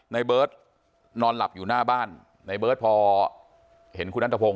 ในเบิร์ตนอนหลับอยู่หน้าบ้านในเบิร์ตพอเห็นคุณนัทพงศ